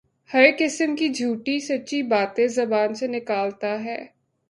ہر قسم کی جھوٹی سچی باتیں زبان سے نکالتا ہے